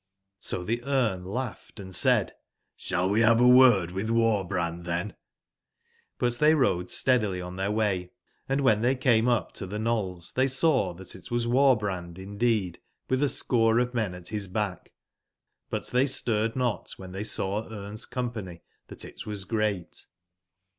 So the Gme laughed and said: '' Shall we have a word with CQar/brand then ?" But they rode steadily on their way, & when they came up to the knolls tbey saw that it was OTar brand indeed with a score of men at his back ; but they stirred not when theysawBrne's company that it was great.